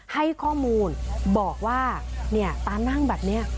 ให้ข้อมูลบอกว่าเนี่ยตานั่งแบบเนี่ย